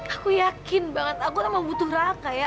aku yakin banget aku tuh mau butuh raka ya